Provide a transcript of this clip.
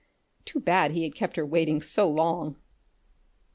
Too bad he had kept her waiting so long!